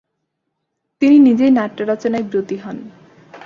তিনি নিজেই নাট্যরচনায় ব্রতী হন।